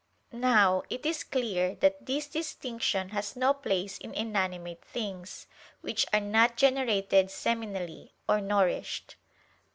Now it is clear that this distinction has no place in inanimate things, which are not generated seminally, or nourished.